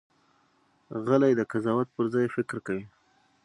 غلی، د قضاوت پر ځای فکر کوي.